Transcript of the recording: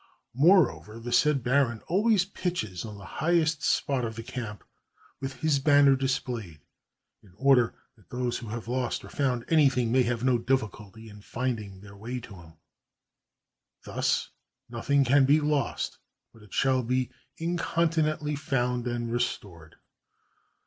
Moreover, the said baron always pitches on the highest spot of the camp with his banner displayed, in order[that those who have lost or found anything may have no difficulty in finding their way to him. Thus nothing can be lost but it shall be incontinently found and restored.